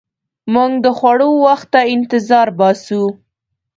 موږ د خوړو وخت ته انتظار باسو.